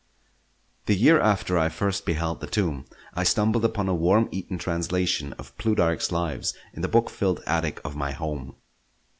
The year after I first beheld the tomb, I stumbled upon a worm eaten translation of Plutarch's Lives in the book filled attic of my home.